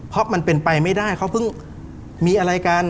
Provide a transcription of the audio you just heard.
เพราะมันเป็นไปไม่ได้เขาเพิ่งมีอะไรกัน